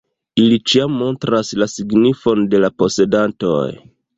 Ili ĉiam montras la signifon de la posedantoj.